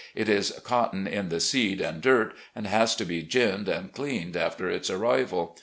It is cotton in the seed and dirt, and has to be giimed and cleaned after its arrival.